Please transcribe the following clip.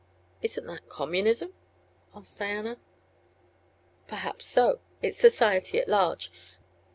"Isn't that communism?" asked Diana. "Perhaps so. It's society at large.